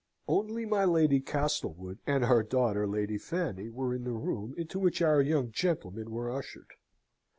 Only my Lady Castlewood and her daughter Lady Fanny were in the room into which our young gentlemen were ushered.